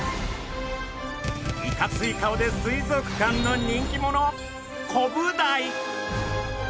いかつい顔で水族館の人気者コブダイ！